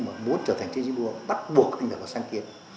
mà muốn trở thành chiến sĩ đua bắt buộc anh phải có sáng kiến